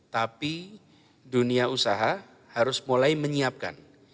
tapi dunia usaha harus mulai menyiapkan